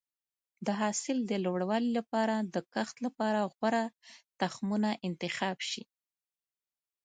د حاصل د لوړوالي لپاره د کښت لپاره غوره تخمونه انتخاب شي.